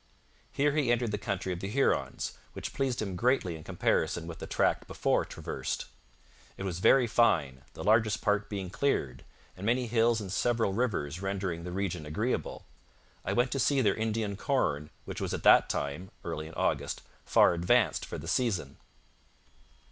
Here he entered the country of the Hurons, which pleased him greatly in comparison with the tract before traversed. 'It was very fine, the largest part being cleared, and many hills and several rivers rendering the region agreeable. I went to see their Indian corn, which was at that time [early in August] far advanced for the season.'